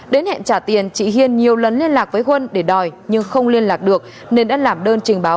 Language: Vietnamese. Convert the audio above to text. đến hẹn trả tiền chị hiên nhiều lần liên lạc với huân để đòi nhưng không liên lạc được nên đã làm đơn trình báo